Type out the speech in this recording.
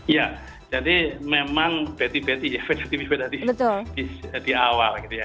iya jadi memang beti beti ya beda tipi beda di awal